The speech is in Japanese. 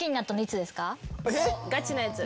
ガチなやつ。